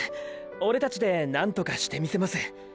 オレたちでなんとかしてみせます。